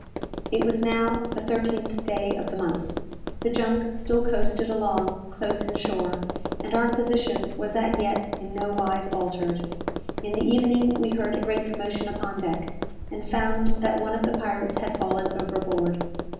It was now the thirteenth day of the month. The junk still coasted along close in shore, and our position was as yet in nowise altered. In the evening we heard a great commotion upon deck, and found that one of the pirates had fallen overboard.